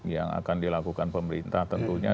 yang akan dilakukan pemerintah tentunya